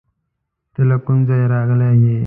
ته له کوم ځایه راغلی یې؟